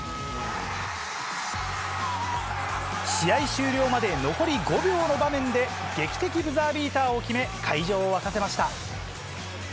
試合終了まで残り５秒の場面で劇的ブザービーターを決め会場を沸かせました。